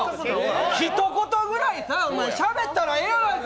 ひと言ぐらいさ、お前、しゃべったらええやんか！